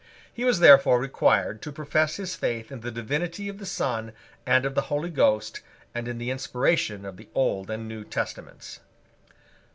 He was therefore required to profess his faith in the divinity of the Son and of the Holy Ghost, and in the inspiration of the Old and New Testaments.